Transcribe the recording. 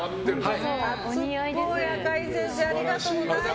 赤井先生ありがとうございます！